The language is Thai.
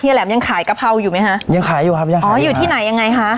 แหลมยังขายกะเพราอยู่ไหมคะยังขายอยู่ครับยังอ๋ออยู่ที่ไหนยังไงคะ